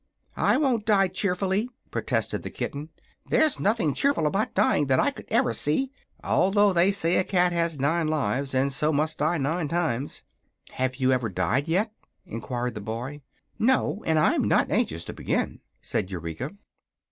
"I won't die cheerfully!" protested the kitten. "There's nothing cheerful about dying that I could ever see, although they say a cat has nine lives, and so must die nine times." "Have you ever died yet?" enquired the boy. "No, and I'm not anxious to begin," said Eureka.